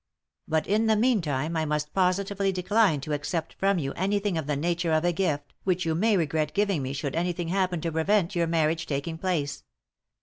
" Bat in the meantime I most positively decline to accept from you anything of the nature of a gift, which you may regret giving me should anything happen to prevent your marriage taking place.